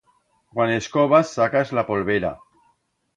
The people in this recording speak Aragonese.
Cuan escobas sacas la polvera.